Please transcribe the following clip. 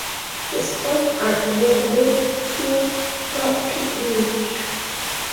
His scores are available through Frog Peak Music.